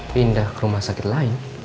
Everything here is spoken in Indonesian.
pindah ke rumah sakit lain